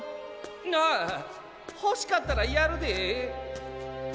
あほしかったらやるで！